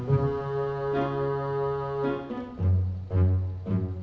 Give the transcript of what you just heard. lihat dulu yang bikin kicimpring